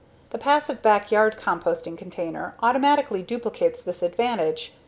The passive backyard composting container automatically duplicates this advantage.